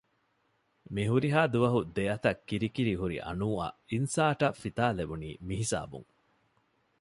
މިހުރިހާ ދުވަހު ދެއަތަށް ކިރިކިރި ހުރި އަނޫއަށް އިންސާރޓަށް ފިތާލެވުނީ މިހިސާބުން